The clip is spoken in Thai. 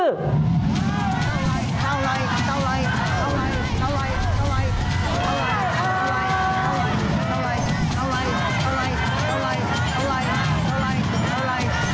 เอาไหล